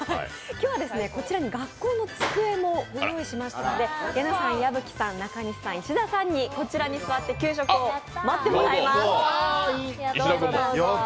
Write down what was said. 今日はこちらに学校の机も用意しましたのでイェナさん、矢吹さん、中西さん石田さんにこちらに座って給食を待ってもらいます。